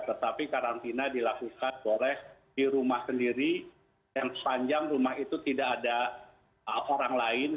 tetapi karantina dilakukan boleh di rumah sendiri dan sepanjang rumah itu tidak ada orang lain